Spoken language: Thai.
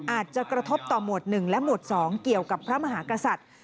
อาจจะกระทบต่อหมวด๑และหมวด๒เกี่ยวกับพระมหากษัตริย์